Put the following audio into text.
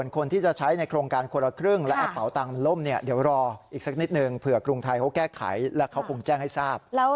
๒กดใช้สิทธิ์เราชนะ